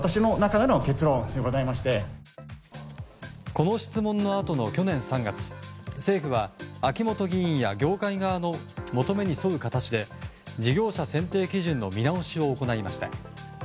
この質問のあとの去年３月政府は、秋本議員や業界側の求めに沿う形で事業者選定基準の見直しを行いました。